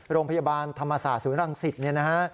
โรงพยาบาลธรรมศาสตร์ศูนย์รังศิษย์